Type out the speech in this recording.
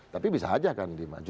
tapi bisa aja kan dimajukan